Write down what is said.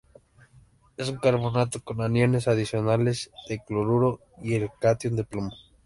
Es un carbonato con aniones adicionales de cloruro y el catión de plomo.